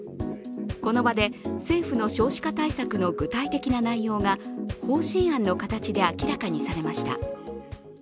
この場で、政府の少子化対策の具体的な内容が方針案の形で明らかにされました。